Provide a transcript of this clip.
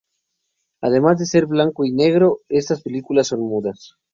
Además de ser en blanco y negro, estas películas son mudas.